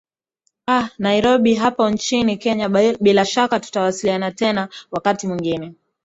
aa nairobi hapo nchini kenya bila shaka tutawasiliana tena wakati mwingine